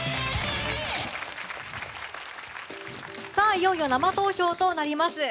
いよいよ生投票となります。